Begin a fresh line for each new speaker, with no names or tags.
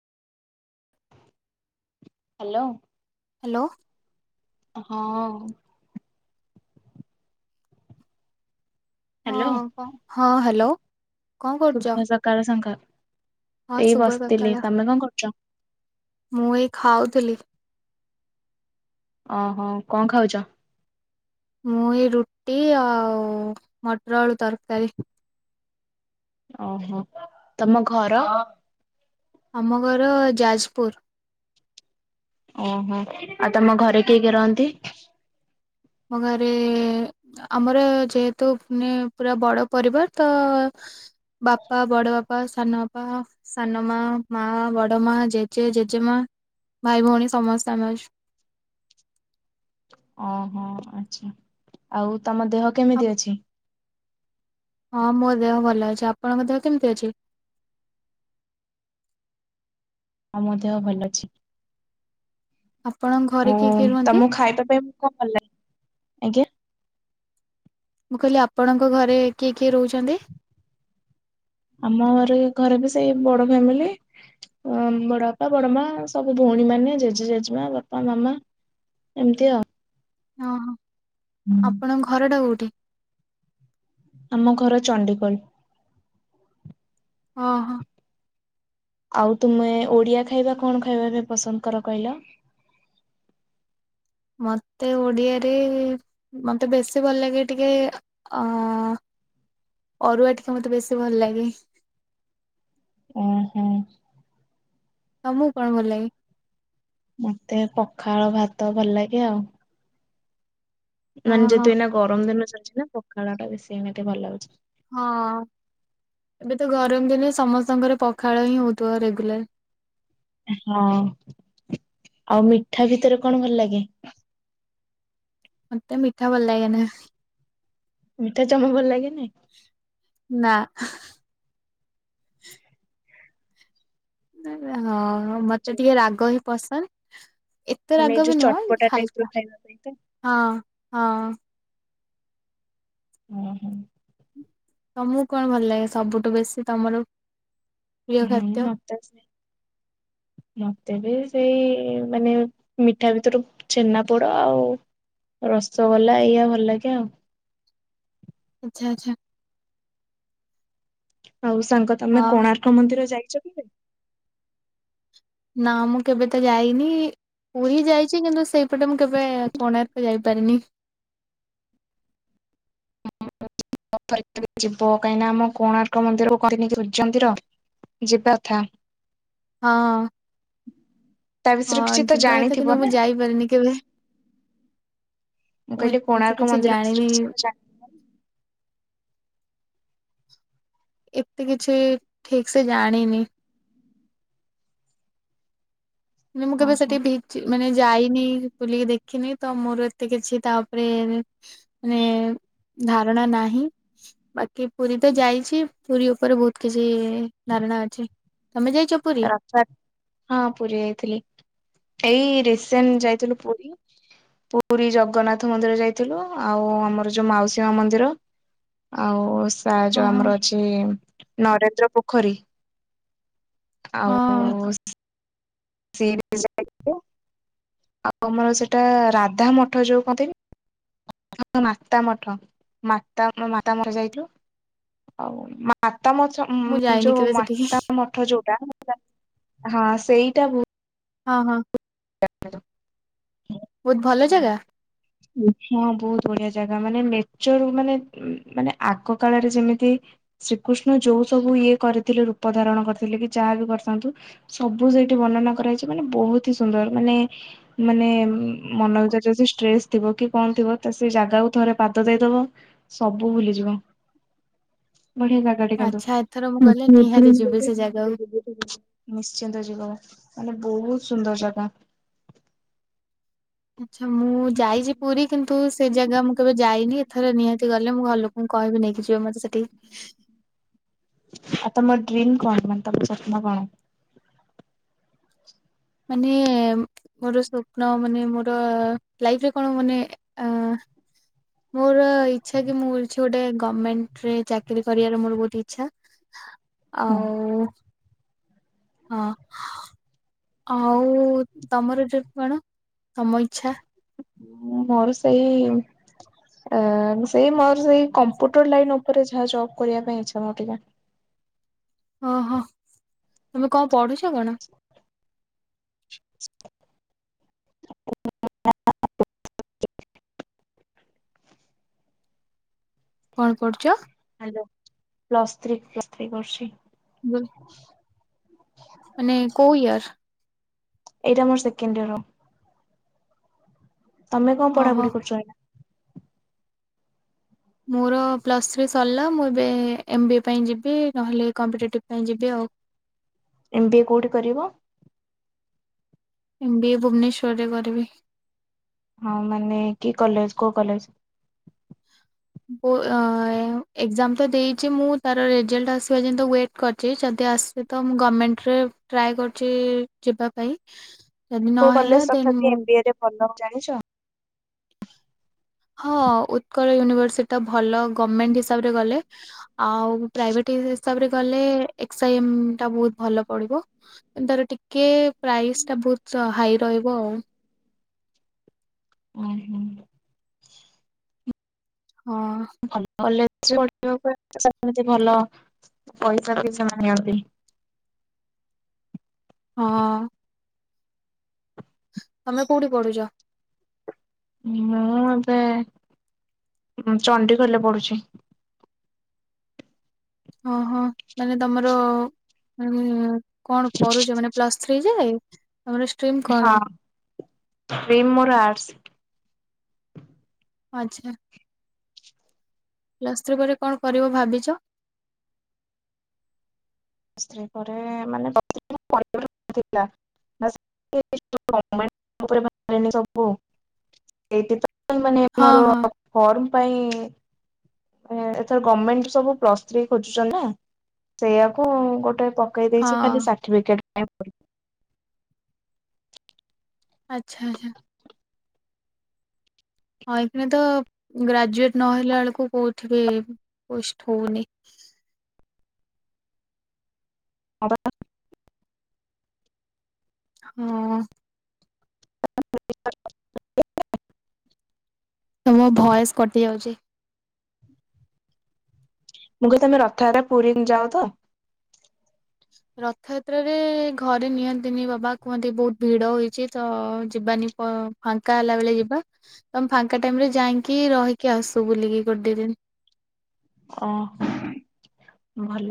Hello.
Hello.
ହଁ।
ହଁ ହଁ। ହ୍ୟାଲୋ। କଣ କରୁଛ?
ସୁଭ ସକାଳ ସାଙ୍ଗ ।
ହଁ ଶୁଭ ସକାଳ,
କଣ କରୁଛ?
ମୁଁ ଏଇ ଖାଉଥିଲି।
ଓହୋ କଣ ଖାଉଛ?
ମୁଇ ରୁଟି ଆଉ ମଟର ଆଳୁ ତରକାରୀ।
ଓହୋ ତମ ଘର?
ଆମ ଘର ଯାଜପୁର।
ଓହୋ। ଆଉ ତମ ଘରେ କିଏ କିଏ ରହନ୍ତି?
ଆମ ଘରେ-ଏ-ଏ-ଏ ଆମର ଯେହେତୁ ମାନେ ପୁରା ବଡ ପରିବାର ତ ବାପା, ବଡ ବାପା, ସାନ ବାପା, ସାନ ମା, ମା, ବଡ ମା, ଜେଜେ, ଜେଜେମା, ଭାଇ, ଭଉଣୀ ସମସ୍ତେ ଆମେ ଅଛୁ।
ଓହୋ ଆଛା ଆଉ ତମ ଦେହ
ଆପ-
କେମିତି ଅଛି?
ହଁ ମୋ ଦେହ ଭଲ ଅଛି, ଆପଣଙ୍କ ଦେହ କେମିତି ଅଛି?
ଆମ ଦେହ ଭଲ ଅଛି।
ଆପଣଙ୍କ ଘରେ
ଓ
କିଏ କିଏ ରୁହନ୍ତି?
ତମକୁ ଖାଇବା ପାଇଁ କଣ ଭଲ ଲାଗେ? ଆଜ୍ଞା ।
ମୁଁ କହିଲି ଆପଣଙ୍କ ଘରେ କିଏ କିଏ ରହୁଛନ୍ତି?
ଆମ ଘରେ ଘରେ ବି ସେଇ ବଡ ଫ୍ୟାମିଲି। ବଡ ବାପା, ବଡ ମା, ସବୁ ଭଉଣୀ ମାନେ, ଜେଜେ, ଜେଜେମା, ବାପା, ମାମା ଏମିତି ଆଉ।
ହଁ। ଆପଣଙ୍କ ଘର ଟା କୋଉଠି?
ଆମ ଘର ଚଣ୍ଡିଖୋଲ୍।
ହ ହୋ।
ଆଉ ତୁମେ ଓଡିଆ ଖାଇବା କଣ ଖାଇବାରେ ପସନ୍ଦ କର କହିଲ?
ମତେ ଓଡିଆରେ ମତେ ବେଶୀ ଭଲ ଲାଗେ ଟିକେ ଅ-ଅ-ଅ ଅରୁଆ ଟିକେ ମତେ ବେଶୀ ଭଲ ଲାଗେ।
ଓ ହୁଁ।
ତମକୁ କଣ ଭଲ ଲାଗେ?
ମତେ ପଖାଳ ଭାତ ଭଲ ଲାଗେ ଆଉ। ମାନେ
ଓହୋ ହଁ
ଯଦି ଏ ନା ଗରମ ଦିନ ଚାଲି [inaudible] ପଖାଳଟା ବେଶୀ ଏମିତି ଭଲ୍ ଲାଗୁଛି।
ହଁ ଏବେ ତ ଗରମ୍ ଦିନେ ସମସ୍ତଙ୍କର ପଖାଳ ହିଁ ହଉଥିବ ରେଗୁଲାର୍।
ହଁ। ଆଉ ମିଠା ଭିତରେ କଣ ଭଲ୍ ଲାଗେ?
ମୋତେ ମିଠା ଭଲ୍ ଲାଗେନା।
ମିଠା ଜମା ଭଲ୍ ଲାଗେନି?
[unintelligible] ନାଇଁ ବା ହଁ ହଁ
ଆଉ
ମତେ
ଯୋଉ
ଟିକେ ରାଗ ହି ପସନ୍ଦ୍ ଏତେ
ମାନେ ଏଇ
ରାଗ
ଯୋଉ
ବି ନୁହଁ
ଚଟପଟା ଟାଇପ ର
ହାଲ୍କା,
ଖାଇବା ପାଇଁ ତ।
ହଁ। ହଁ ।
ହୁଁ ହୁଁ ।
ତମକୁ କଣ ଭଲ୍ ଲାଗେ ସବୁଠୁ ବେଶୀ ତମର ପ୍ରିୟ
ହୁଁ
ଖାଦ୍ୟ?
[inaudible] ତେବେ ସେଇ ମାନେ ମିଠା ଭିତରୁ ଛେନା ପୋଡ ଆଉ ରସଗୋଲା ଏଇଆ ଭଲ ଲାଗେ ଆଉ ।
ଆଛା ଆଛା ।
ଆଉ ସାଙ୍ଗ ତମେ କୋଣାର୍କ ମନ୍ଦିର ଯାଇ [inaudible]
ନା ମୁଁ କେବେ ତ ଯାଇନି ପୁରୀ ଯାଇଛି କିନ୍ତୁ ସେଇପଟେ ମୁଁ କେବେ କୋଣାର୍କ ଯାଇପାରିନି ।
[inaudible] ଯିବ କାହିଁକିନା ଆମ କୋଣାର୍କ ମନ୍ଦିର [inaudible]
ହଁ
ତା ବିଷୟରେ
ହଁ
କିଛି ତ
ଯିବା କଥା
ଜାଣିଥିବ
କିନ୍ତୁ
ନା
ମୁଁ ଯାଇପାରିନି କେବେ ।
ମୁଁ କହିଲି କୋଣାର୍କ
କିଛି
ମନ୍ଦିର
ଜାଣିନି।
[unintelligible]
ଏତେ କିଛି ଠିକ୍ ସେ ଜାଣିନି । ମୁଁ ମୁଁ କେବେ
ଓହୋ
ସେଠି ବିଚ୍ ମାନେ ଯାଇନି ବୁଲିକି ଦେଖିନି ତ ମୋର ଏତେ କିଛି ତା ଉପରେ ମାନେ ଧାରଣା ନାହିଁ ବାକି ପୁରୀ ତ ଯାଇଛି ପୁରୀ ଉପରେ ବହୁତ କିଛି ଧାରଣା ଅଛି ।
ରଥୟା ହଁ ପୁରୀ ଯାଇ ଥିଲି । ଏଇ ରିସେନ୍
ଆଚ୍ଛା।
ଯାଇଥିଲୁ ପୁରୀ । ପୁରୀ ଜଗନ୍ନାଥ ମନ୍ଦିର ଯାଇଥିଲୁ ଆଉ ଆମର ଯୋଉ ମାଉସୀ ମା ମନ୍ଦିର ଆଉ ସ୍ ଆଉ
ହଁ
ଯୋଉ
ହଁ
ଆମର ଅଛି ନରେନ୍ଦ୍ର ପୋଖରୀ ।
ହଁ ।
[unintelligible] ରାଧା ମଠ ଯୋଉ କୁହନ୍ତିନି ମାତା ମଠ ମାତା ମାତା ମଠ ଯାଇଥିଲୁ ଆଉ ତମ
ମୁଁ ଯାଇନି
ଯୋଉ
କେବେ ସେଠିକି
ମାତା ମଠ ଯୋଉଟା ହଁ ସେଇଟା ଭୁଲ
ହଁ ହଁ।
[inaudible]
ବହୁତ ଭଲ ଜାଗା?
ହଁ ବହୁତ ବଢିଆ ଜାଗା ମାନେ ନେଚର ମାନେ ମାନେ ଆଗ କାଳରେ ଯେମିତି ଶ୍ରୀକୃଷ୍ଣ ଯୋଉ ସବୁ ଇଏ କରିଥିଲେ ରୂପ ଧାରଣ କରିଥିଲେ କି ଯାହା ବି କରିଥାନ୍ତୁ ସବୁ ସେଇଠି ବର୍ଣନା କରାଯାଇଛି ମାନେ ବହୁତ ହିଁ ସୁନ୍ଦର ମାନେ ମାନେ ମନରେ ଯଦି ଷ୍ଟ୍ରେସ ଥିବ କି କଣ ଥିବ ସେ ଜାଗାକୁ ଥରେ ପାଦ ଦେଇଦବ ସବୁ ଭୁଲିଯିବ। ବଢିଆ ଜାଗା ଟେ କିନ୍ତୁ
ଆଚ୍ଛା ଏଥର ମୁଁ ଗଲେ ନିହାତି ଯିବି ସେ ଜାଗାକୁ।
[inaudible] ନିଶ୍ଚିନ୍ତ ଯିବ। ମାନେ ବହୁତ ସୁନ୍ଦର ଜାଗ ଗା
ଆଚ୍ଛା ମୁଁ ଯାଇଛି ପୁରୀ କିନ୍ତୁ ସେ ଜାଗା ମୁଁ କେବେ ଯାଇନି ଏଥର ନିହାତି ଗଲେ ମୁଁ ଘର ଲୋକଙ୍କୁ କହିବି ନେଇକି ଯିବ ମତେ ସେଠିକି।
ଆଉ ତମ ଡ୍ରିମ୍ କଣ ମାନେ ତମ ସପ୍ନ କଣ?
ମାନେ ମୋର ସ୍ୱପ୍ନ ମାନେ ମୋର ଲାଇଫ ରେ କଣ ମାନେ ଅ ମୋର ଇଛା କି ମୁଁ କି ଗୋଟେ ଗଭମେଣ୍ଟ ରେ ଚାକିରୀ କରିବାର ମୋର ବହୁତ ଇଛା।
ହଁ।
ଆଉ ହଁ ଆଉ ତମର ଯଉ କଣ ତମ ଇଛା?
ମୋର ସେଇ ସେଇ ମୋର ସେଇ କମ୍ପୁଟର ଲାଇନ ଉପରେ ଯାହା ଜବ କରିବା ପାଇଁ ଇଛା ମୋର ଟିକେ।
ଓହୋ ତମେ କଣ ପଢୁଛ କଣ?
[inaudible]
କଣ କରୁଛ?
Hello. Plus three plus three କରୁଛି।
ହ ମାନେ କୋଉ ଇଅର୍?
ଏଇଟା ମର ସେକେଣ୍ଡ ଇଆର ହ ତମେ କଣ
ଓହୋ।
ପଢାପଢି କରୁଛ ଏଇନା
ମୋର ପ୍ଲସ୍ ଥ୍ରୀ ସରିଲା ମୁଁ ଏବେ ଏମ୍ ବି ଏ ପାଇଁ ଯିବି ନହେଲେ କମ୍ପିଟେଟିଭ୍ ପାଇଁ ଯିବି ଆଉ।
ଏମ ବି ଏ କୋଉଠି କରିବ?
ଏମ ବି ଏ ଭୁବନେଶ୍ଵର ରେ କରିବି।
ହଁ ମାନେ କି କଲେଜ କୋଉ କଲେଜ?
ଏକ୍ଜାମ ତ ଦେଇଛି ମୁଁ ତାର ରେଜଲ୍ଟ ଆସିବା ଯେ ୱେଟ୍ କରିଛି ଯଦି ଆସିବେ ତ ମୁଁ ଗଭର୍ମେଣ୍ଟରେ ଟ୍ରାଏ କରଛି ଯିବା ପାଇଁ। ଯଦି
କୋଉ
ନହେଲା
କଲେଜ
ଦେନ୍
ତଥାପି
ମୁଁ
ଏମ ବି ଏ ରେ ଭଲ? ଜାଣିଛ?
ହଁ ଉତ୍କଳ ୟୁନିଭର୍ସିଟି ଟା ଭଲ ଗଭର୍ଣମେଣ୍ଟ ହିସାବରେ ଗଲେ ଆଉ ପ୍ରାଇଭେଟ ହିସାବରେ ଗଲେ ଏକ୍ସଆଇ ଏମ୍ ଟା ବହୁତ ଭଲ ପଢିବ ତାର ଟିକେ ପ୍ରାଇସ୍ ଟା ବହୁତ ହାଇ ରହିବ ଆଉ।
ହଁ ହୁଁ
ହଁ
ଭଲ ଭ [inaudible] ଭଲ ପଇସା ବି ସେମାନେ ନିଅନ୍ତି।
ହଁ। ତମେ କୋଉଠି ପଢୁଛ?
ମୁଁ ଏବେ ଚଣ୍ଡିଖୋଲରେ ପଢୁଛି।
ହଁ ହଁ ମାନେ ତମର କଣ କରୁଛ ମାନେ ପ୍ଲସ ଥ୍ରୀ ଯେ
ହଁ ଟମ ମର ଆର୍ସ
ଆଛା ପ୍ଲସ୍ତ୍ରୀ ପରେ କଣ କରିବ ଭାବିଛ
ପରୋନ ମାନେ
ହଁ
ମୋର
ହଁ
ଫର୍ମ ପାଇଁ ଏଥର ଗଭର୍ଣମେଣ୍ଟ ସବୁ ପ୍ଲସ ଥ୍ରୀ ଖୋଜୁଛନ୍ତି ନା ସେଇଆାକୁ ଗୋଟେ ପକେଇ ଦେଇଛି
ହଁ
ଖାଲି ସାର୍ଟିଫିକେଟ ଏପ
ଆଚ୍ଛା ଆଚ୍ଛା ହଁ ଏକ ତ ଗ୍ରାଜୁଏଟ ନହଲା ବେଳକୁ କୋଉଠି ପୋଷ୍ଟ ହଉନି
ହ
ହଁ ତମ ଭୟସ କଟି ଯାଉଛି?
ମୁଁ କହ ତମେ ରଥଯାତ୍ରା ପୁରୀ ଯାଅ ତ?
ରଥଯାତ୍ରାରେ ଘରେ ନିଅନ୍ତିନି ବାବା କୁହନ୍ତି ବହୁତ ଭିଡ ହେଇଛି ତ ଯିବାନି ଫାଙ୍କା ହେଲା ବେଳେ ଯିବା ତ ଆମେ ଫାଙ୍କା ଟାଇମରେ ଯାଇକି ରହିକି ଆସୁ ବୁଲିକି ଗୋ ଦିନ
ଓ ଭଲ